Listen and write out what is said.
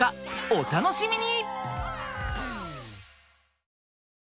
お楽しみに！